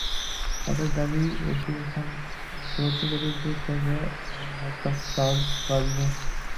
তাদের দাবি, এটি এখন আরও দ্রুতগতিতে চলবে এবং ল্যাপটপের চার্জ বাঁচাবে।